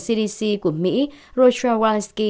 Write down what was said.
cdc của mỹ rochelle walensky